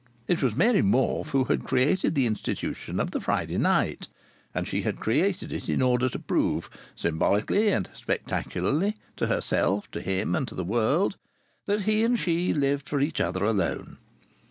It was Mary Morfe who had created the institution of the Friday night, and she had created it in order to prove, symbolically and spectacularly, to herself, to him, and to the world, that he and she lived for each other alone.